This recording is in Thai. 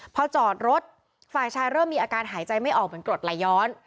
พอจอดรถฝ่ายชายเริ่มมีอาการหายใจไม่ออกเหมือนกรดไหลย้อน